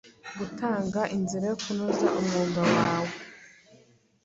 gutanga inzira yo kunoza umwuga wawe